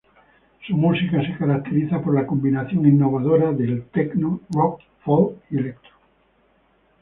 Su música se caracteriza por la combinación innovadora del tecno, rock, folk y electro.